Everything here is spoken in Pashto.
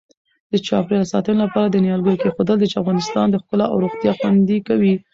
د چاپیریال ساتنې لپاره د نیالګیو اېښودل د افغانستان ښکلا او روغتیا خوندي کوي.